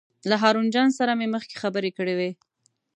له هارون جان سره مې مخکې خبرې کړې وې.